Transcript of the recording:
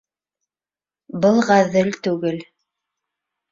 Был ғәҙел түгел.